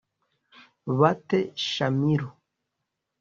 Bate Shamiru